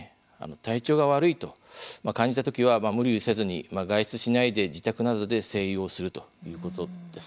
体調が悪いと感じた時は無理をせずに外出しないで、自宅などで静養するということです。